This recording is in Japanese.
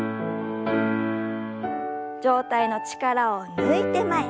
上体の力を抜いて前。